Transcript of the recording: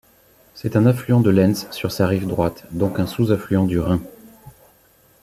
C'est un affluent de l'Enz sur sa rive droite, donc un sous-affluent du Rhin.